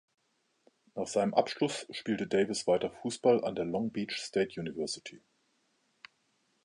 Nach seinem Abschluss spielte Davis weiter Fußball an der Long Beach State University.